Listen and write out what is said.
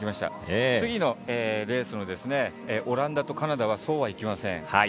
次のレースのオランダとカナダはそうはいきません。